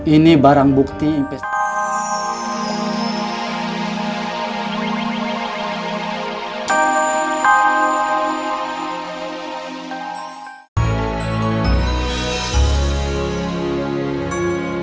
ini barang bukti investigasi